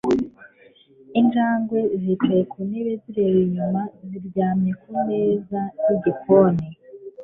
Injangwe yicaye ku ntebe ireba inyama ziryamye ku meza yigikoni